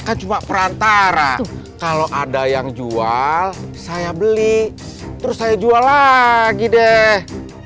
kan cuma perantara kalau ada yang jual saya beli terus saya jual lagi deh